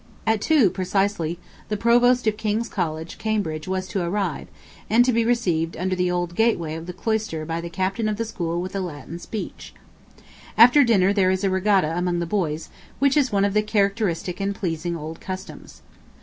At two, precisely, the Provost of King's College, Cambridge, was to arrive, and to be received under the old gateway of the cloister by the Captain of the school with a Latin speech. After dinner there is a regatta among the boys, which is one of the characteristic and pleasing old customs.